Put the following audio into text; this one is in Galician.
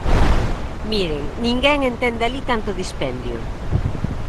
Miren, ninguén entende alí tanto dispendio.